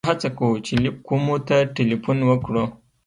موږ هڅه کوو چې لېک کومو ته ټېلیفون وکړو.